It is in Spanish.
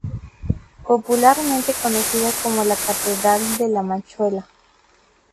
Popularmente conocida como la "Catedral de La Manchuela".